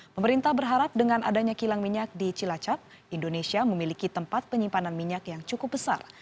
pemerintah berharap dengan adanya kilang minyak di cilacap indonesia memiliki tempat penyimpanan minyak yang cukup besar